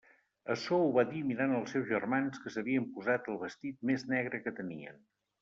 Açò ho va dir mirant els seus germans que s'havien posat el vestit més negre que tenien.